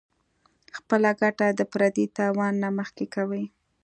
خپله ګټه د پردي تاوان نه مخکې کوي -